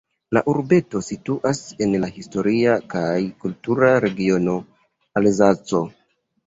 La urbeto situas en la historia kaj kultura regiono Alzaco.